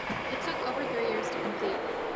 It took over three years to complete.